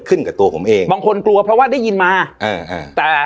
กับตัวผมเองบางคนกลัวเพราะว่าได้ยินมาอ่าแต่